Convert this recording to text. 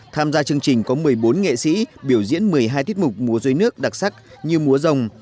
tham gia chương trình có một mươi bốn nghệ sĩ biểu diễn một mươi hai tiết mục múa dối nước đặc sắc như múa rồng